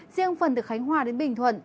riêng phần từ khánh hòa đến bình thuận